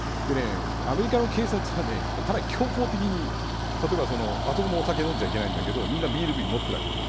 アメリカの警察はかなり強硬的であそこもお酒を飲んじゃいけないんですが、みんなビール瓶を持っているわけです。